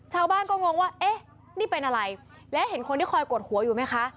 ชาวบ้านก็งงว่าเอ๊ะนี่เป็นอะไรและเห็นคนที่คอยกดหัวอยู่ไหมคะ